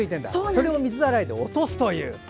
それを水洗いで落とすという。